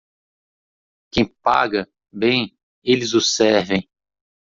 Quem paga, bem, eles o servem.